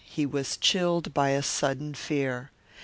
He was chilled by a sudden fear.